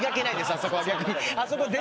あそこは逆に。